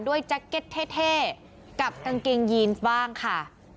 แจ็คเก็ตเท่กับกางเกงยีนบ้างค่ะ